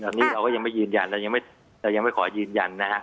อันนี้เราก็ยังไม่ยืนยันเรายังไม่ขอยืนยันนะฮะ